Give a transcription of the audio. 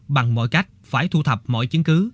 bằng mọi cách phải thu thập mọi chứng cứ